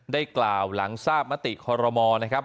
ได้กล่าวหลังทราบมติคอรมอนะครับ